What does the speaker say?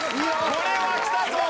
これはきたぞ。